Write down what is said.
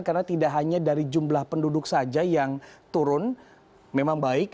karena tidak hanya dari jumlah penduduk saja yang turun memang baik